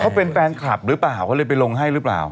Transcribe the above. เขาเป็นแฟนคลับหรือเปล่าเขาเลยไปลงให้หรือเปล่า